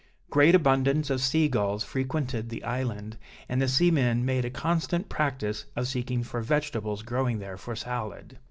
Great abundance of sea gulls frequented the island, and the seamen made a constant practice of seeking for vegetables growing there for salad.